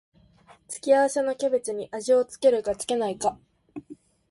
付け合わせのキャベツに味を付けるか付けないか